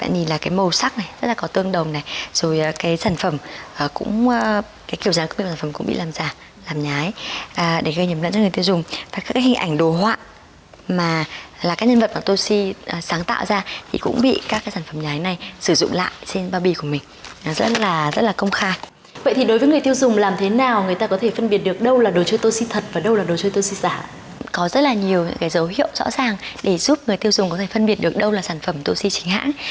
nhiều những cái dấu hiệu rõ ràng để giúp người tiêu dùng có thể phân biệt được đâu là sản phẩm toshi chính hãng